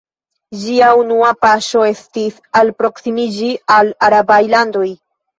Ĝia unua paŝo estis alproksimiĝi al arabaj landoj.